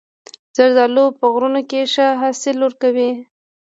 زردالو په غرونو کې ښه حاصل ورکوي.